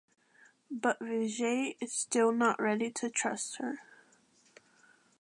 But Vijay is still not ready to trust her.